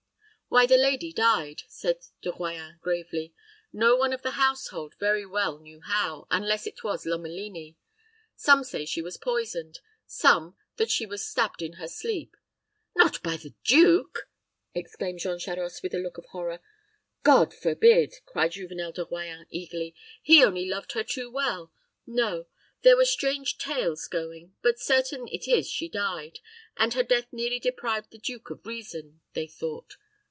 "Why, the lady died," said De Royans, gravely. "No one of the household very well knew how, unless it was Lomelini. Some say that she was poisoned some, that she was stabbed in her sleep." "Not by the duke!" exclaimed Jean Charost, with a look of horror. "God forbid!" cried Juvenel de Royans, eagerly. "He only loved her too well. No; there were strange tales going; but certain it is she died, and her death nearly deprived the duke of reason, they thought.